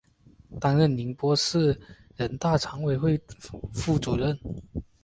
担任宁波市人大常委会副主任。